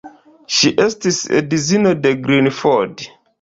Ŝi estis edzino de Glenn Ford.